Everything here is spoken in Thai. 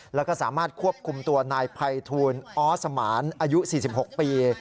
แล้วก็สามารถควบคุมตัวนายภัยทูลออสสมานอายุ๔๖ปี